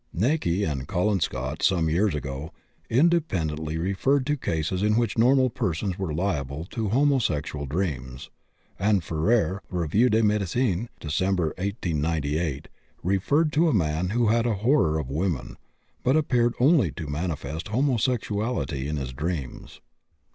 Näcke and Colin Scott, some years ago, independently referred to cases in which normal persons were liable to homosexual dreams, and Féré (Revue de Médecine, Dec., 1898) referred to a man who had a horror of women, but appeared only to manifest homosexuality in his dreams.